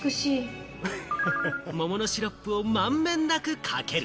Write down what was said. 桃のシロップを満遍なくかける。